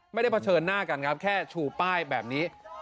เผชิญหน้ากันครับแค่ชูป้ายแบบนี้